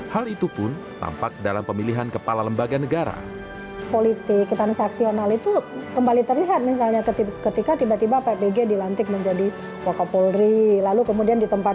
hal ini terlihat dalam dua kali perombakan kabinet